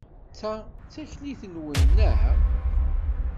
Ta d taklit-nwen, naɣ?